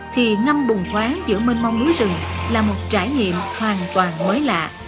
thì ngâm bùng khóa giữa mênh mông núi rừng là một trải nghiệm hoàn toàn mới lạ